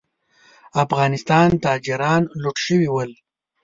افغانستان تاجران لوټ شوي ول.